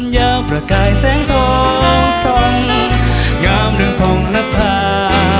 ยาวประกายแสงทองทรงงามเรื่องผ่องรับผ่า